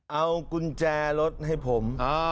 เอากุญแจรถให้ผม